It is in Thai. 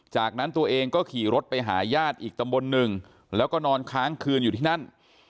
จากนั้นตัวเองก็ขี่รถไปหาญาติอีกตำบลหนึ่งแล้วก็นอนค้างคืนอยู่ที่นั่น